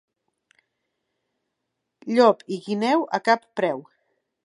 Llop i guineu, a cap preu.